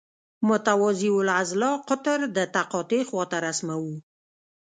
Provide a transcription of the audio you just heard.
متوازی الاضلاع قطر د تقاطع خواته رسموو.